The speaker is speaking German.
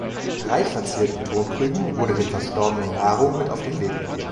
In reich verzierten Tonkrügen wurde dem Verstorbenen Nahrung mit auf den Weg gegeben.